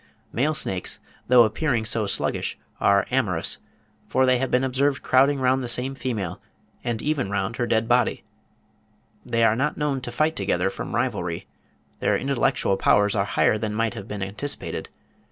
Male snakes, though appearing so sluggish, are amorous; for many have been observed crowding round the same female, and even round her dead body. They are not known to fight together from rivalry. Their intellectual powers are higher than might have been anticipated.